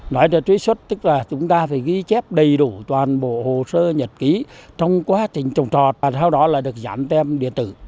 nói về truy xuất tức là chúng ta phải ghi chép đầy đủ toàn bộ hồ sơ nhật ký trong quá trình trồng trọt và sau đó là được giảm tem điện tử